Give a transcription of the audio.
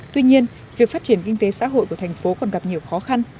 tuy nhiên việc phát triển kinh tế xã hội của thành phố còn gặp nhiều khó khăn